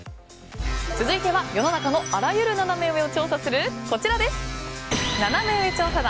続いては世の中のあらゆるナナメ上を調査する、ナナメ上調査団。